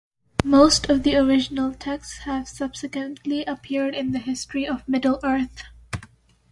Most of the original texts have subsequently appeared in the "History of Middle-earth".